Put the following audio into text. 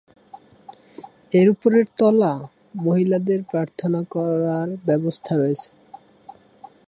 এর উপরের তলা মহিলাদের প্রার্থনা করার ব্যবস্থা রয়েছে।